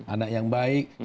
anak yang baik